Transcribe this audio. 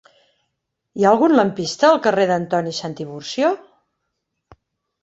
Hi ha algun lampista al carrer d'Antoni Santiburcio?